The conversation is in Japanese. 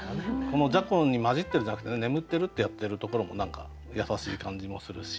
このじゃこに交じってるじゃなくて「眠ってる」ってやってるところも何か優しい感じもするし。